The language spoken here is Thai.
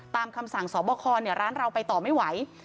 คำสั่งสอบคอร้านเราไปต่อไม่ไหว